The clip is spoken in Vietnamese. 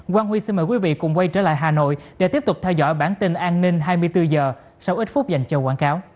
quang huy xin mời quý vị cùng quay trở lại hà nội để tiếp tục theo dõi bản tin an ninh hai mươi bốn h sau ít phút dành cho quảng cáo